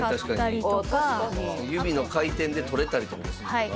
指の回転で取れたりとかもするねんな。